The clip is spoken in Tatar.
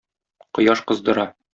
Кояш кыздыра.